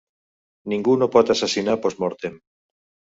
Ningú no pot assassinar post-mortem.